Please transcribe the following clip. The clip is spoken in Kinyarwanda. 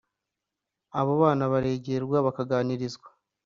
Abo bana baregerwa bakaganirizwa